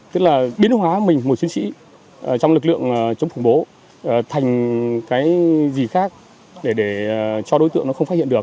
tức là biến hóa mình một chiến sĩ trong lực lượng chống khủng bố thành cái gì khác để cho đối tượng nó không phát hiện được